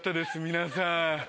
皆さん。